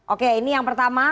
oke ini yang pertama